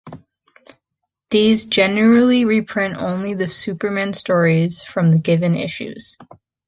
These generally reprint only the Superman stories from the given issues.